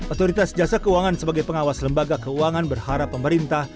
otoritas jasa keuangan sebagai pengawas lembaga keuangan berharap pemerintah